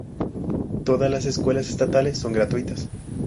Todas las escuelas estatales son gratuitas.